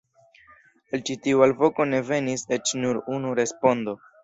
Al ĉi tiu alvoko ne venis eĉ nur unu respondo!